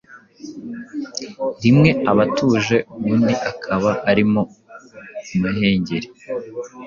rimwe aba atuje, ubundi akaba arimo umuhengeri